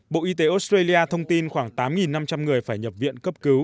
bộ y tế australia thông tin khoảng tám năm trăm linh người phải nhập viện cấp cứu